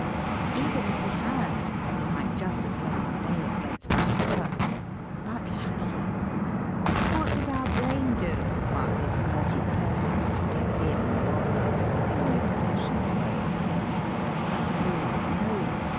Even if he has, we might just as well inveigh against a shower. But has he? What was our brain doing while this naughty person stepped in and robbed us of the only possessions worth having? No, no!